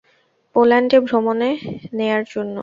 পোল্যান্ডে ভ্রমণে নেয়ার জন্য।